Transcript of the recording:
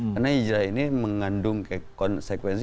karena ijrah ini mengandung konsekuensi